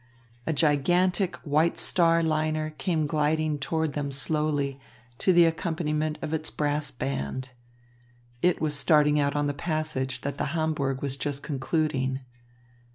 A gigantic White Star liner came gliding toward them slowly, to the accompaniment of its brass band. It was starting out on the passage that the Hamburg was just concluding.